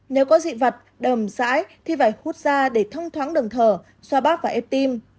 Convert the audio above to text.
nếu có dị vật đầm sãi thì phải hút ra để thông thoáng đường thở xoa bát và ép tim